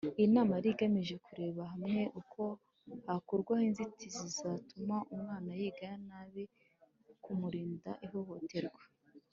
Iyi inama yari igamije kurebera hamwe uko hakurwaho inzitizi zatuma umwana yiga nabi no kumurinda ihohoterwa